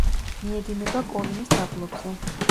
მიედინება კოლიმის დაბლობზე.